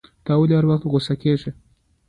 ته ولي هر وخت غوسه کیږی